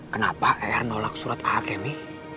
kenapa er nolak surat akemi